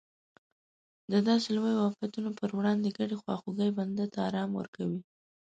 د داسې لویو افتونو پر وړاندې ګډې خواخوږۍ بنده ته ارام ورکوي.